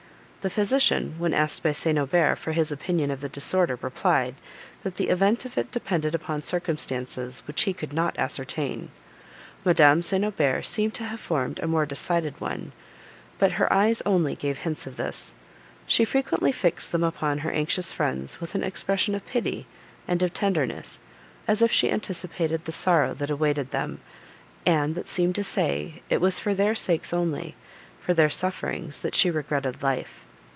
The physician, when asked by St. Aubert for his opinion of the disorder, replied, that the event of it depended upon circumstances which he could not ascertain. Madame St. Aubert seemed to have formed a more decided one; but her eyes only gave hints of this. She frequently fixed them upon her anxious friends with an expression of pity, and of tenderness, as if she anticipated the sorrow that awaited them, and that seemed to say, it was for their sakes only, for their sufferings, that she regretted life.